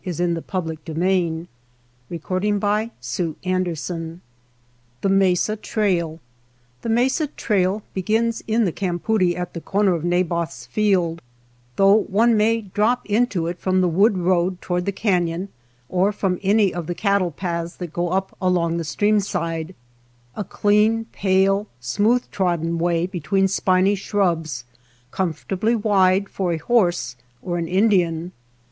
THE MESA TRAIL THE MESA TRAIL THE mesa trail begins in the cam poodie at the corner of Naboth's field, though one may drop into it from the wood road toward the canon, or from any of the cattle paths that go up along the stream side ; a clean, pale, smooth trodden way between spiny shrubs, comfortably wide for a horse or an Indian.